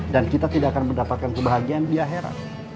dan kita tidak akan mendapatkan kebahagiaan di akhirat